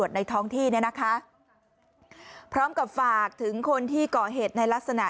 โดนกินรึเปล่า